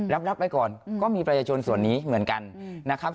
รับไว้ก่อนก็มีประชาชนส่วนนี้เหมือนกันนะครับ